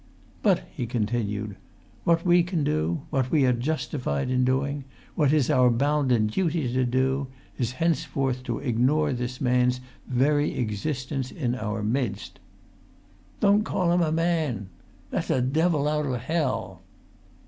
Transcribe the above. "But," he continued, "what we can do—what we are justified in doing—what it is our bounden duty to do—is henceforth to ignore this man's very existence in our midst." "Don't call him a man!" "That's a devil out of hell!"